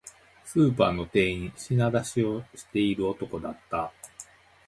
スーパーの店員、品出しをしている男だった